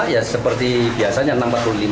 ya seperti biasanya enam empat puluh lima